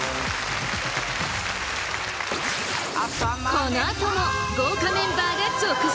このあとも豪華メンバーが続々